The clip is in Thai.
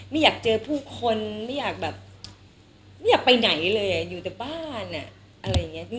ไม่อยากเจอผู้คนไม่อยากแบบไม่อยากไปไหนเลยอยู่แต่บ้านอ่ะอะไรอย่างนี้พี่